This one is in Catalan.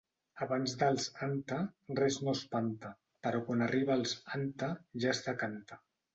Abans dels 'anta' res no espanta, però quan arriba als 'anta' ja es decanta.